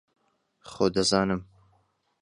خۆ دەزانم